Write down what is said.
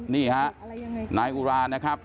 นี่ฮะนายอุรานะครับ